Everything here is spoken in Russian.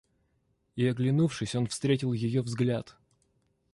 И, оглянувшись, он встретил ее взгляд.